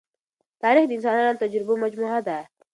تاریخ د انسانانو د تجربو مجموعه ده.